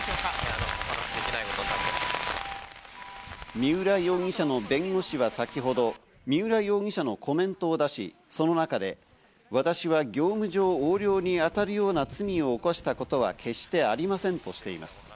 三浦容疑者の弁護士は先ほど三浦容疑者のコメントを出し、その中で私は業務上横領に当たるような罪を犯したことは決してありませんとしています。